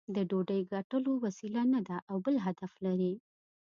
د ډوډۍ ګټلو وسیله نه ده او بل هدف لري.